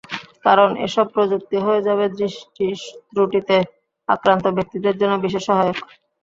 কারণ, এসব প্রযুক্তি হয়ে যাবে দৃষ্টিত্রুটিতে আক্রান্ত ব্যক্তিদের জন্য বিশেষ সহায়ক।